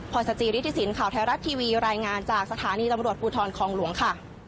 สจิริฐศิลป์ข่าวไทยรัฐทีวีรายงานจากสถานีตำรวจภูทรคองหลวงค่ะ